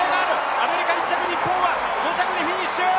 アメリカ１着、日本は５着でフィニッシュ。